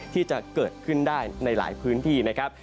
ที่จะเกิดขึ้นได้ในหลายพื้นที่นะครับ